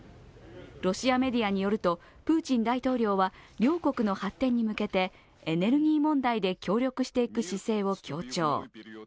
ロシアメディアによるとプーチン大統領は両国の発展に向けてエネルギー問題で協力していく姿勢を強調。